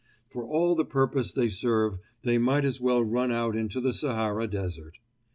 For all the purpose they serve they might as well run out into the Sahara desert.